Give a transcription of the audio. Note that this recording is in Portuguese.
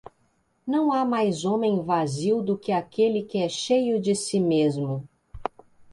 Não há mais homem vazio do que aquele que é cheio de si mesmo.